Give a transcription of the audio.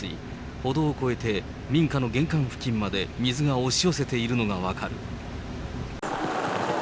歩道を越えて民家の玄関付近まで水が押し寄せているのが分かる。